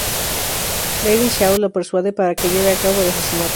Lady Zhao lo persuade para que lleve a cabo el asesinato.